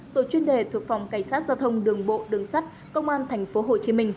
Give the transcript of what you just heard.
tổ chuyên đề thuộc phòng cảnh sát giao thông đường bộ đường sắt công an tp hcm